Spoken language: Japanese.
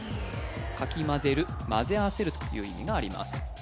かきまぜる混ぜ合わせるという意味があります